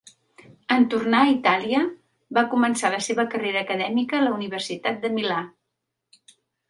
En tornar a Itàlia, va començar la seva carrera acadèmica a la Universitat de Milà.